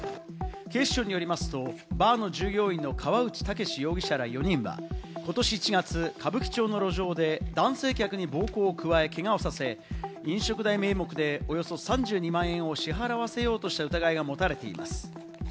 警視庁によりますとバーの従業員の河内剛容疑者ら４人は、今年１月、歌舞伎町の路上で男性客に暴行を加え、けがをさせ、飲食代名目でおよそ３２万円を支払わせようとした疑いが持たれています。